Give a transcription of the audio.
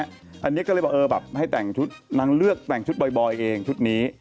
อันนี้ก็เลยบอกเออแบบให้แต่งชุดนางเลือกแต่งชุดบ่อยเองชุดนี้